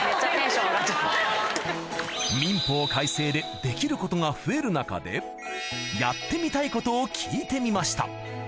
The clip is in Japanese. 民法改正でできることが増える中でやってみたいことを聞いてみました